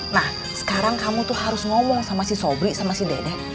nah sekarang kamu tuh harus ngomong sama si sobri sama si dedek